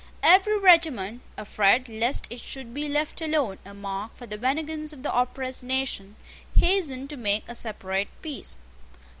Every regiment, afraid lest it should be left alone a mark for the vengeance of the oppressed nation, hastened to make a separate peace.